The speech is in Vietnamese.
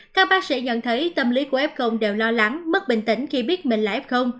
các bác sĩ nhận thấy tâm lý của f công đều lo lắng mất bình tĩnh khi biết mình là f